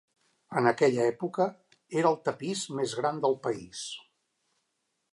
En aquella època era el tapís més gran del país.